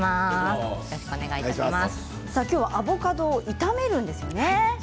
今日は、アボカドを炒めるんですよね。